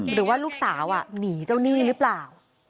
หรือว่าลูกสาวหนีเจ้าหนี้หรือเปล่า